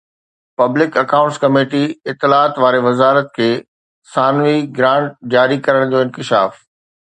public accounts committee اطلاعات واري وزارت کي ثانوي گرانٽ جاري ڪرڻ جو انڪشاف